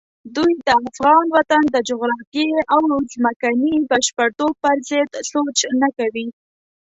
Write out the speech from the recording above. دوی د افغان وطن د جغرافیې او ځمکني بشپړتوب پرضد سوچ نه کوي.